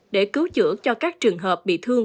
để cứu chữa cho các trường hợp bị thương